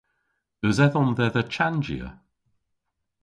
Eus edhom dhedha chanjya?